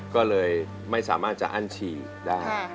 ก็เลยไม่สามารถจะอั้นฉี่ได้